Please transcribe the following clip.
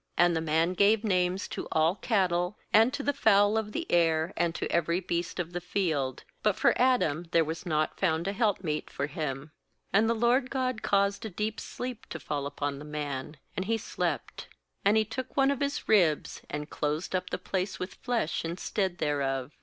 20And the man gave names to all cattle, and to the fowl of the air, and to every beast of the field; but for Adam there was not found a help meet for him. 21And the LORD God caused a deep sleep to fall upon the man, and he slept; and He took one of his ribs, and closed up the place with flesh instead thereof.